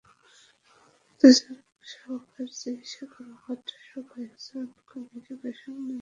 দুজন সহকারী চিকিৎসা কর্মকর্তাসহ কয়েকজন কর্মীকে প্রেষণে নিয়ে চলছে বহির্বিভাগের কার্যক্রম।